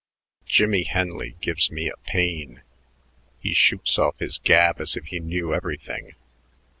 Jimmie Henley gives me a pain. He shoots off his gab as if he knew everything.